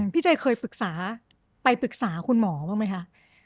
พี่เจได้เคยไปปรึกษาคุณหมอบ้างมั้ยคะ